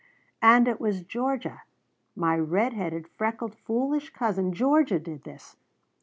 "And it was Georgia my red headed, freckled, foolish cousin Georgia did this!